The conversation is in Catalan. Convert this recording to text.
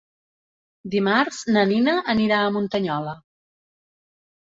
Dimarts na Nina anirà a Muntanyola.